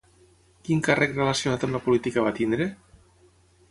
Quin càrrec relacionat amb la política va tenir?